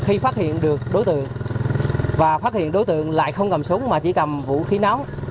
khi phát hiện được đối tượng và phát hiện đối tượng lại không cầm súng mà chỉ cầm vũ khí nóng